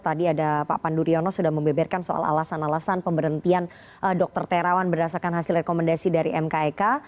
tadi ada pak pandu riono sudah membeberkan soal alasan alasan pemberhentian dr terawan berdasarkan hasil rekomendasi dari mkek